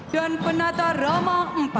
dan penata rama empat